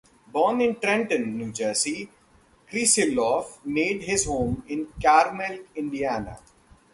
Born in Trenton, New Jersey, Krisiloff made his home in Carmel, Indiana.